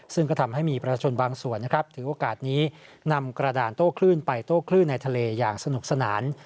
ซึ่งก็ทำให้มีประชาชนบางส่วนนะครับถือโอกาสนี้นำกระดานโต้คลื่นไปโต้คลื่นในทะเลอย่างสนุกสนาน